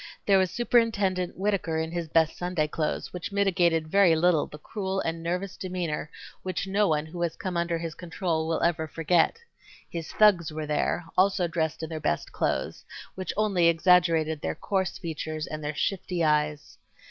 There was Superintendent Whittaker in his best Sunday clothes, which mitigated very little the cruel and nervous demeanor which no one who has come under his control will ever forget. His thugs were there, also dressed in their best clothes, which only exaggerated their coarse features and their shifty eyes.